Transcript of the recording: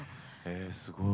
えすごい。